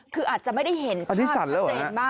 คืออาจจะไม่ได้เห็นอันนี้สันแล้วเหรอนะ